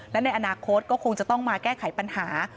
และในอนาคตก็คงจะต้องมาแก้ไขปัญหา